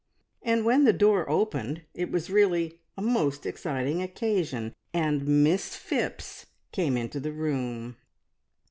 And when the door opened it was really a most exciting occasion! and Miss Phipps came into the room.